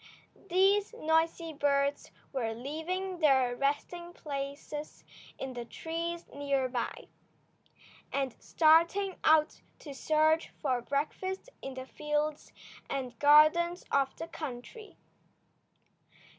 These noisy birds were leaving their resting places in the trees near by, and starting out to search for breakfast in the fields and gardens of the country.